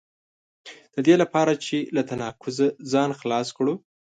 د دې لپاره چې له تناقضه ځان خلاص کړو.